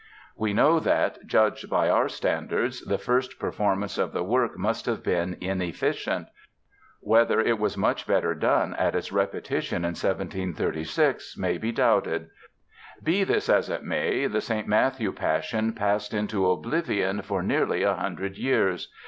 We know that, judged by our standards, the first performance of the work must have been inefficient. Whether it was much better done at its repetition in 1736 may be doubted. Be this as it may, the St. Matthew Passion passed into oblivion for nearly a hundred years.